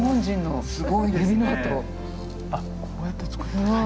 あっこうやって作った。